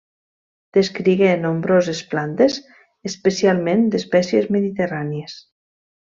Descrigué nombroses plantes, especialment d'espècies mediterrànies.